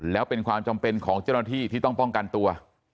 แล้วเป็นความจำเป็นของเจ้าหน้าที่ที่ต้องป้องกันตัว